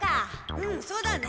うんそうだね。